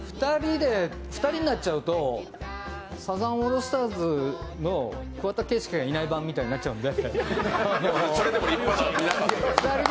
２人になっちゃうとサザンオールスターズの桑田佳祐がいない版みたいになっちゃうので。